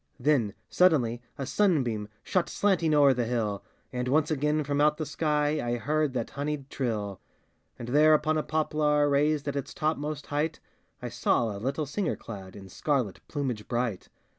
Then suddenly a sunbeam Shot slanting o'er the hill, And once again from out the sky I heard that honied trill. And there upon a poplar, Poised at its topmost height, I saw a little singer clad In scarlet plumage bright.